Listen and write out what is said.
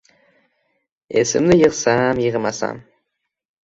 — Esimni yig‘sam-yig‘masam!..